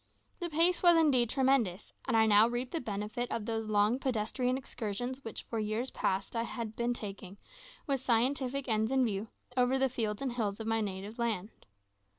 The pace was indeed tremendous, and I now reaped the benefit of those long pedestrian excursions which for years past I had been taking, with scientific ends in view, over the fields and hills of my native land.